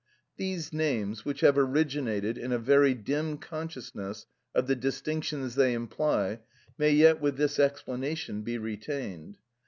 These names, which have originated in a very dim consciousness of the distinctions they imply, may yet, with this explanation, be retained.